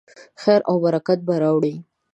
خیر او برکت به راوړي.